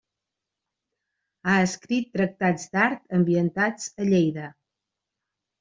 Ha escrit tractats d'art ambientats a Lleida.